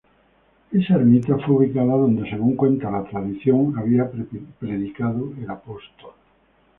Esa ermita fue ubicada donde, según cuenta la tradición, había predicado el apóstol.